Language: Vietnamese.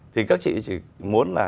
thì các chị chỉ muốn là